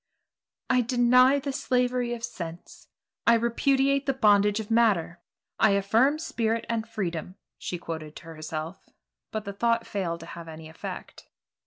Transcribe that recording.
"I deny the slavery of sense. I repudiate the bondage of matter. I affirm spirit and freedom," she quoted to herself, but the thought failed to have any effect.